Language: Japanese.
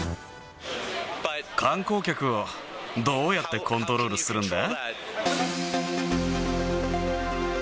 観光客をどうやってコントロールするんだ。